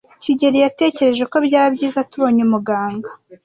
kigeli yatekereje ko byaba byiza tubonye muganga.